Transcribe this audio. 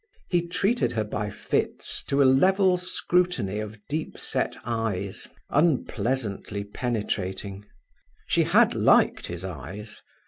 He treated her by fits to a level scrutiny of deep set eyes unpleasantly penetrating. She had liked his eyes.